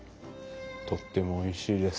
とってもおいしいです。